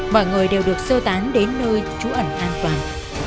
mọi người đều được sơ tán đến nơi trú ẩn an toàn